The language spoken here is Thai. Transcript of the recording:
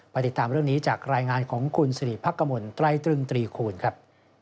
ติดตามเรื่องนี้จากรายงานของคุณสิริพักกมลไตรตรึงตรีคูณครับ